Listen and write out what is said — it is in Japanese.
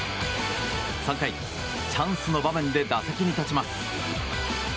３回、チャンスの場面で打席に立ちます。